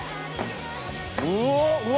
うわ！